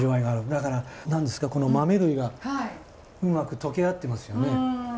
だから何ですかこの豆類がうまく溶け合ってますよね。